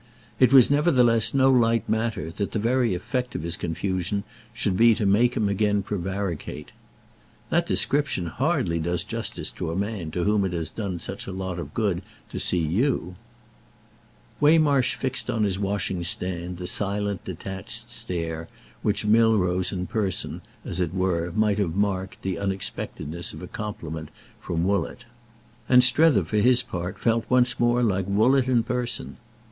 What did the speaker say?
It was nevertheless no light matter that the very effect of his confusion should be to make him again prevaricate. "That description hardly does justice to a man to whom it has done such a lot of good to see you." Waymarsh fixed on his washing stand the silent detached stare with which Milrose in person, as it were, might have marked the unexpectedness of a compliment from Woollett, and Strether for his part, felt once more like Woollett in person.